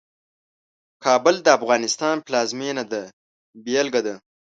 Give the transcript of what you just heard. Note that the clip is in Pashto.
کابل د افغانستان پلازمېنه ده بېلګه ده.